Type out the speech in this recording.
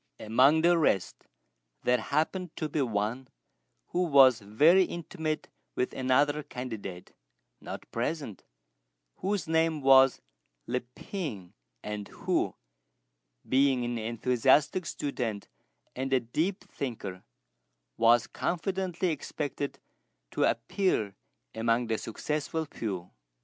Among the rest there happened to be one who was very intimate with another candidate, not present, whose name was Li Pien; and who, being an enthusiastic student and a deep thinker, was confidently expected to appear among the successful few.